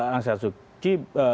aung san suu kyi